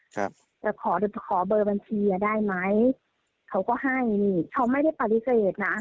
ครับก็ขอต้นขอเบอร์บัญชีได้มั้ยเขาก็ให้เนี่ยเขาไม่ได้ปฏิเสธนะ